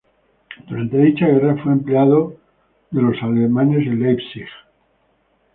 Durante dicha guerra fue empleado de los alemanes en Leipzig.